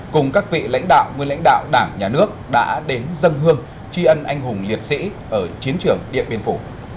cùng các vị lãnh đạo nguyên lãnh đạo đảng nhà nước đã đến dân hương tri ân anh hùng liệt sĩ ở chiến trường điện biên phủ